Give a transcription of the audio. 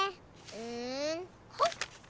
うんほっ！